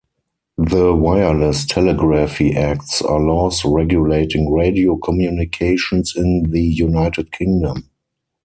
The Wireless Telegraphy Acts are laws regulating radio communications in the United Kingdom.